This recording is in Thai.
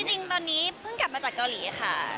จริงตอนนี้เพิ่งกลับมาจากเกาหลีค่ะ